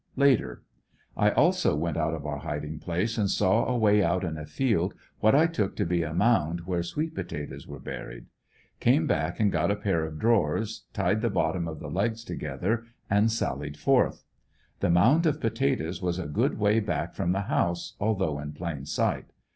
Later. — I also went out of our hiding place, and saw away out in a field what I took to be a mound where sweet potatoes were buried. Came back and got a pair of drawers, tied the bottom of the legs together, and sallied forth. The mound of potatoes was a good way back from the house, although in plain sight.